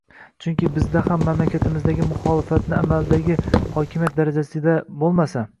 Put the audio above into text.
Chunki bizda ham mamlakatimizdagi muxolifatni amaldagi hokimiyat darajasida bo‘lmasa